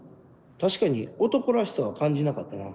確かに男らしさは感じなかったな。